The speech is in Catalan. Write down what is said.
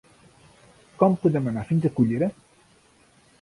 Com podem anar fins a Cullera?